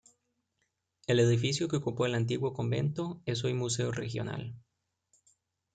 El edificio que ocupó el antiguo convento es hoy Museo Regional.